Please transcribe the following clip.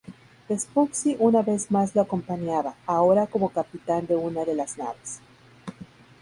Vespucci una vez más lo acompañaba, ahora como capitán de una de las naves.